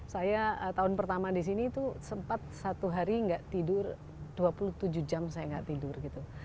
saya tahun pertama disini tuh sempat satu hari enggak tidur dua puluh tujuh jam saya enggak tidur gitu